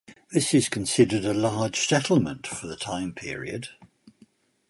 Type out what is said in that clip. This is considered a large settlement for the time period.